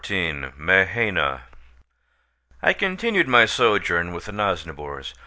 MAHAINA I continued my sojourn with the Nosnibors.